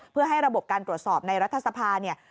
เพื่อให้ระบบการตรวจสอบในรัฐสภาเนี่ย